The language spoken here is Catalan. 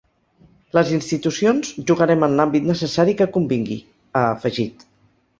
“Les institucions jugarem en l’àmbit necessari que convingui”, ha afegit.